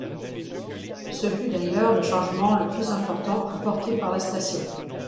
Ce fut d'ailleurs le changement le plus important apporté par la station.